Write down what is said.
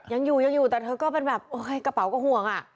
ยังอยู่แต่เธอก็เป็นแบบโอ้ยกระเป๋าก็ห่วงอ่ะ